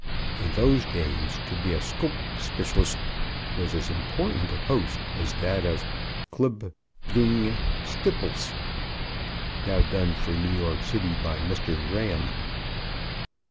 In those days, to be a sclp spclst was as important a post as that of "clb bdg stbls" (now done for New York City by Mr. Graham).